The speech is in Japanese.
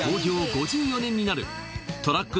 ５４年になるトラック